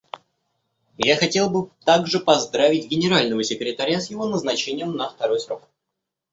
Я хотел бы также поздравить Генерального секретаря с его назначением на второй срок.